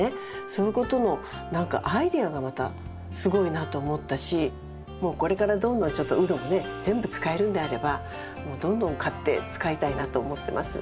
そういうことの何かアイデアがまたすごいなと思ったしもうこれからどんどんちょっとウドもね全部使えるんであればもうどんどん買って使いたいなと思ってます